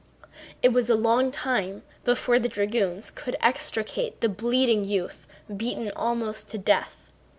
It was a long time before the dragoons could extricate the bleeding youth, beaten almost to death.